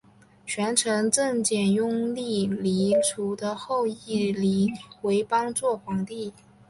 权臣郑检拥立黎除的后裔黎维邦做皇帝。